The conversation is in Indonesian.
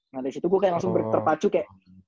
nah dari situ gue kayak langsung terpacu kayak